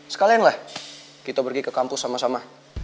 sekalianlah kita pergi ke kampus sama sama